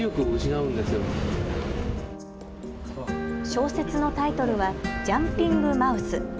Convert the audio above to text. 小説のタイトルはジャンピング・マウス。